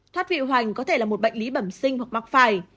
thoát vịu hoành có thể là một bệnh lý bẩm sinh hoặc mắc phải